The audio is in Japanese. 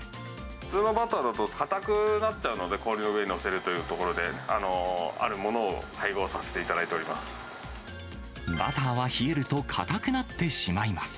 普通のバターだと硬くなっちゃうので、氷の上に載せるというところで、あるものを配合させていただいてバターは冷えると、硬くなってしまいます。